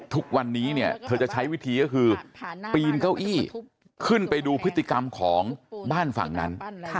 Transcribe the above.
ทุกวันนี้เนี่ยเธอจะใช้วิธีก็คือปีนเก้าอี้ขึ้นไปดูพฤติกรรมของบ้านฝั่งนั้น